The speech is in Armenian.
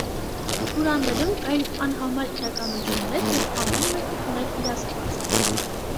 Պուրաններում կային անհամար իրականություններ, և ամեն մեկը ուներ իր աստվածը։